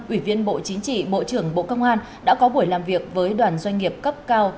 ủy viên bộ chính trị bộ trưởng bộ công an đã có buổi làm việc với đoàn doanh nghiệp cấp cao